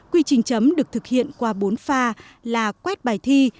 quy trình chấm được thực hiện qua bốn pha là quét bài thi